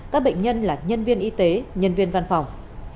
các bệnh nhân là nhân viên y tế nhân viên văn phòng